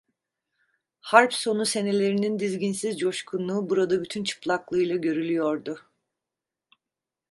Harp sonu senelerinin dizginsiz coşkunluğu burada bütün çıplaklığıyla görülüyordu.